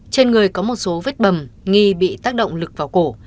trên người có một số vết bầm nghi bị tác động lực vào cổ